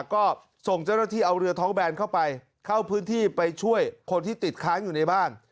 ก็ส่งเจ้าหน้าที่เอาเรือท้องแบนเข้าไปเข้าพื้นที่ไปช่วยคนที่ติดค้างอยู่ในบ้าน